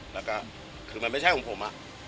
แล้วก็คือมันไม่ใช่ของผม